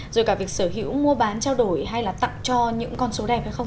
rồi cả việc sở hữu mua bán trao đổi hay là tặng cho những con số đẹp hay không